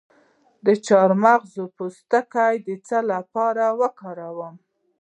د چارمغز پوستکی د څه لپاره وکاروم؟